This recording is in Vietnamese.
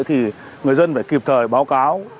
thì người dân phải kịp thời báo cáo